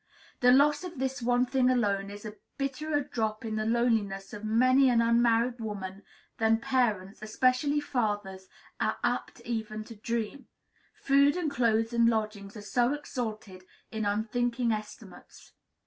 The loss of this one thing alone is a bitterer drop in the loneliness of many an unmarried woman than parents, especially fathers, are apt even to dream, food and clothes and lodgings are so exalted in unthinking estimates.